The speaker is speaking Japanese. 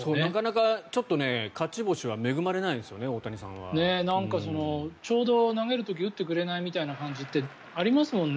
なかなか勝ち星には恵まれないですね、大谷さんは。ちょうど投げる時打ってくれないみたいな感じってありますもんね。